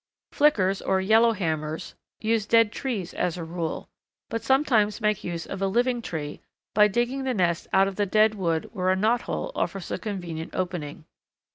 Flickers, or "Yellowhammers," use dead trees as a rule, but sometimes make use of a living tree by digging the nest out of the dead wood where a knot hole offers a convenient opening.